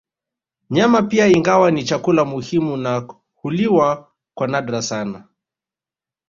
Nyama pia ingawa ni chakula muhimu na huliwa kwa nadra sana